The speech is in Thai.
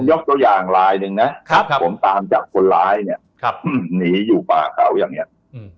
ผมยกตัวอย่างหลายหนึ่งนะผมตามจับคนหลายหนีอยู่ป่าเขาอย่างนี้